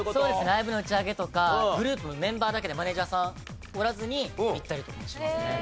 ライブの打ち上げとかグループのメンバーだけでマネジャーさんおらずに行ったりとかもしますね。